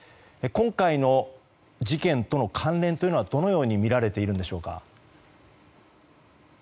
今回の事件との関連というのはどのように見られているんでしょうか。